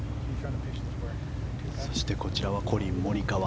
そしてこちらはコリン・モリカワ。